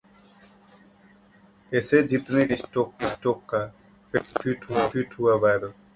Ashes जीतने के बाद बेन स्टोक्स का 'पेशाब' ट्वीट हुआ वायरल